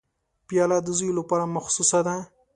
پیاله د زوی لپاره مخصوصه ده.